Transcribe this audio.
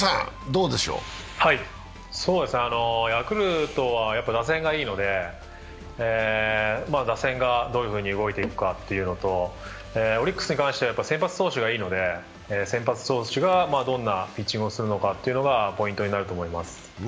ヤクルトは打線がいいので、打線がどういうふうに動いていくかというのとオリックスに関しては先発投手がいいので先発投手がどんなピッチングをするのかというのがポイントになると思います。